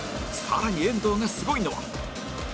更に遠藤がすごいのは